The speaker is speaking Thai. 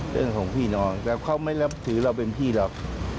เรื่องของพี่น้องแต่เขาไม่นับถือเราเป็นพี่เรา